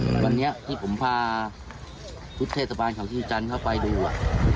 วันนี้ที่ผมพาชุดเทศบาลเขาชี่จันทร์เข้าไปดูอ่ะ